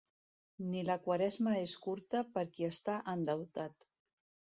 Ni la Quaresma és curta per qui està endeutat.